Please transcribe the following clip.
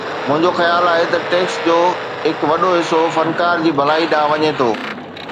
منهنجو خيال آهي ته ٽيڪس جو هڪ وڏو حصو فنڪار جي ڀلائي ڏانهن وڃي ٿو